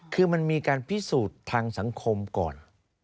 คือมันมีการพิสูจน์ทางสังคมก่อน